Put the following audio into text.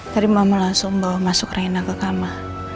tadi mama langsung bawa masuk reina ke kamar